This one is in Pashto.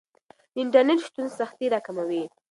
د انټرنیټ شتون سختۍ راکموي.